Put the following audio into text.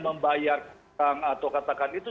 membayar atau katakan itu